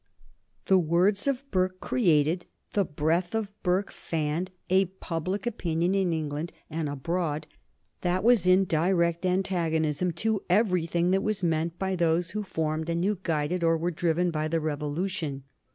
The words of Burke created, the breath of Burke fanned, a public opinion in England and abroad that was in direct antagonism to everything that was meant by those who formed and who guided or were driven by the Revolution.